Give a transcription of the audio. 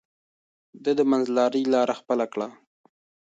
ده د منځلارۍ لار خپله کړې وه.